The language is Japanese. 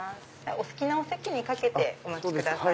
お好きなお席に掛けてお待ちください。